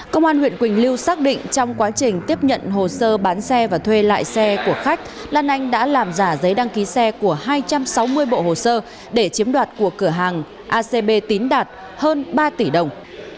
công an huyện quỳnh lưu xác định trong quá trình tiếp nhận hồ sơ bán xe và thuê lại xe của khách lan anh đã làm giả giấy đăng ký xe của hai trăm sáu mươi bộ hồ sơ để chiếm đoạt của cửa hàng acb tín đạt hơn ba tỷ đồng